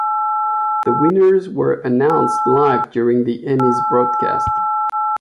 The winners were announced live during the Emmys broadcast.